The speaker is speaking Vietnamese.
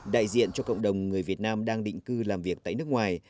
đại diện cho cộng đồng người việt nam đang định cư làm việc tại nước ngoài